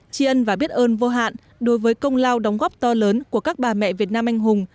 tri ân và biết ơn vô hạn đối với công lao đóng góp to lớn của các bà mẹ việt nam anh hùng